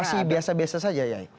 masih biasa biasa saja ya